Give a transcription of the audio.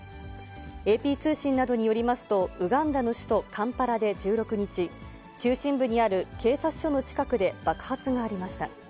ＡＰ通信などによりますと、ウガンダの首都カンパラで１６日、中心部にある警察署の近くで爆発がありました。